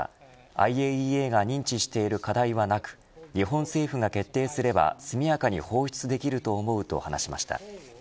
ＩＡＥＡが認知している課題はなく日本政府が決定すれば速やかに放出できると思うと話しました。